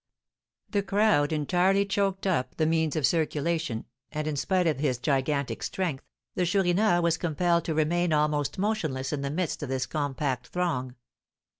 The crowd entirely choked up the means of circulation, and, in spite of his gigantic strength, the Chourineur was compelled to remain almost motionless in the midst of this compact throng.